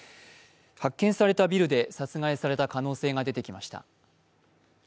発見されたビルで殺害された可能性が出てきました。